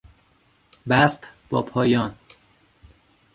بسط با پایان